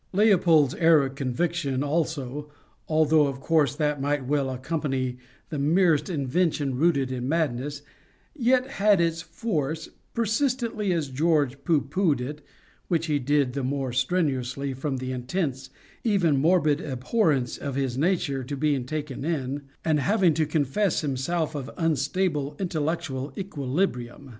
Leopold's air of conviction also, although of course that might well accompany the merest invention rooted in madness, yet had its force, persistently as George pooh poohed it which he did the more strenuously from the intense, even morbid abhorrence of his nature to being taken in, and having to confess himself of unstable intellectual equilibrium.